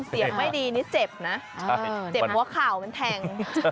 เสียงไม่ดีนี่เจ็บนะเจ็บหัวเข่ามันแทง